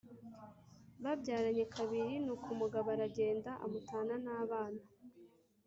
Babyaranye kabiri nuko umugabo aragenda amutana nabana